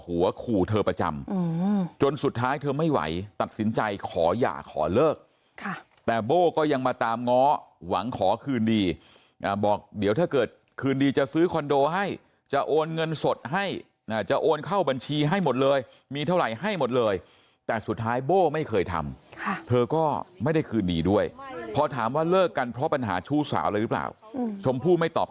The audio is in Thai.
ขู่เธอประจำจนสุดท้ายเธอไม่ไหวตัดสินใจขอหย่าขอเลิกแต่โบ้ก็ยังมาตามง้อหวังขอคืนดีบอกเดี๋ยวถ้าเกิดคืนดีจะซื้อคอนโดให้จะโอนเงินสดให้จะโอนเข้าบัญชีให้หมดเลยมีเท่าไหร่ให้หมดเลยแต่สุดท้ายโบ้ไม่เคยทำเธอก็ไม่ได้คืนดีด้วยพอถามว่าเลิกกันเพราะปัญหาชู้สาวอะไรหรือเปล่าชมพู่ไม่ตอบ